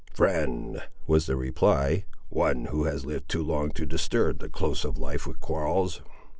"Friend," was the reply; "one who has lived too long to disturb the close of life with quarrels."